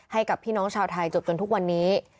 ให้กับพี่น้องชาวไทยจบจนทุกวันนี้